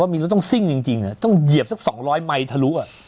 ถ้าเกิดว่าต้องซิ่งจริงอ่ะต้องเหยียบสักส่องร้อยไมค์ถลุอะ